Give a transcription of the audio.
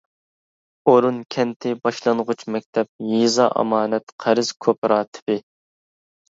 ئورۇن كەنتى باشلانغۇچ مەكتەپ، يېزا ئامانەت-قەرز كوپىراتىپى.